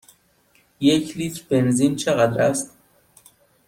یک لیتر بنزین چقدر است؟